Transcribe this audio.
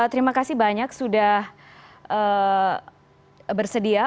terima kasih banyak sudah bersedia